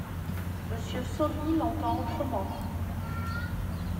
Monsieur Sauli l'entend autrement.